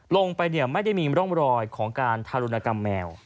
ลงไปไม่ได้มีร่องรอยของการทารุณกรรมแมว